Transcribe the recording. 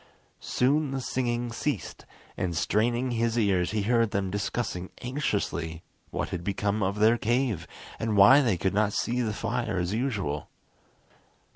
Soon the singing ceased, and straining his ears he heard them discussing anxiously what had become of their cave, and why they could not see the fire as usual.